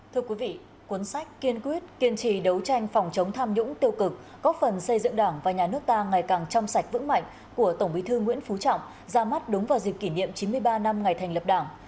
thưa quý vị cuốn sách kiên quyết kiên trì đấu tranh phòng chống tham nhũng tiêu cực góp phần xây dựng đảng và nhà nước ta ngày càng trong sạch vững mạnh của tổng bí thư nguyễn phú trọng ra mắt đúng vào dịp kỷ niệm chín mươi ba năm ngày thành lập đảng